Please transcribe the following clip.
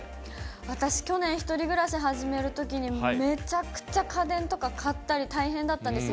私、去年、１人暮らし始めるときに、めちゃくちゃ家電とか買ったり、大変だったんですよ。